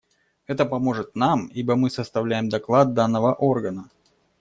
Это поможет нам, ибо мы составляем доклад данного органа.